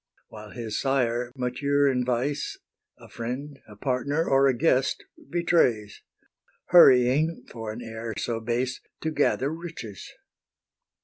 While his sire, mature in vice, A friend, a partner, or a guest betrays, Hurrying, for an heir so base, To gather riches.